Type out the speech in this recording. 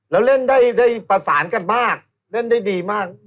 แล้วเล่นได้ประสานกันมากเล่นได้ดีมาก